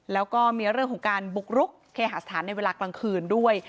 แล้วก็มีเรื่องของการบุกรุกเคหาสถานในเวลากลางคืนด้วย